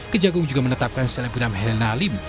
kejagung juga menetapkan selebgram helena lim